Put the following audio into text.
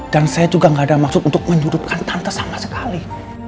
dan saya juga gak ada maksud untuk menyudutkan tante sama sekali